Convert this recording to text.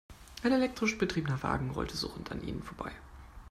Ein elektrisch betriebener Wagen rollte surrend an ihnen vorbei.